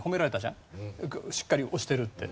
しっかり押してるって。